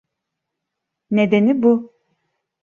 Nedeni bu.